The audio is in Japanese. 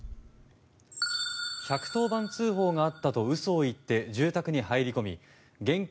１１０番通報があったと嘘を言って住宅に入り込み現金